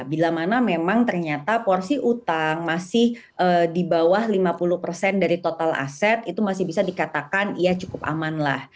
bila mana memang ternyata porsi utang masih di bawah lima puluh persen dari total aset itu masih bisa dikatakan ya cukup aman lah